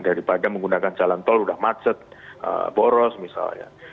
daripada menggunakan jalan tol sudah macet boros misalnya